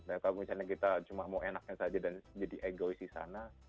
apakah misalnya kita cuma mau enaknya saja dan jadi egois di sana